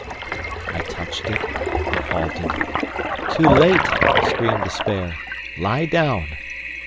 I touched it, and halted. "Too late!" screamed despair; "lie down!"